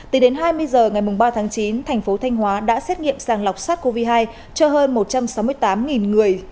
từ đến hai mươi giờ ngày ba tháng chín thành phố thanh hóa đã xét nghiệm sàng lọc sát covid một mươi chín cho hơn một trăm sáu mươi tám người